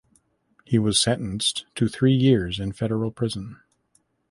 He was sentenced to three years in federal prison.